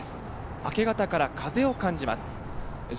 明け方から風を感じます。